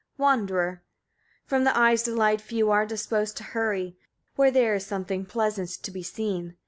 Wanderer. 5. From the eye's delight few are disposed to hurry, where there is something pleasant to be seen.